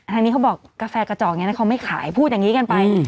ทางนี้เขาบอกกาแฟกระจอกอย่างนี้นะเขาไม่ขายพูดอย่างนี้กันไป